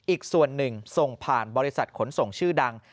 อีกส่วนหนึ่งส่งผ่านบริษัทขนส่งชื่อดัง